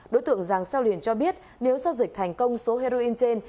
đối tượng giang seo linh cho biết nếu giao dịch thành công số heroin trên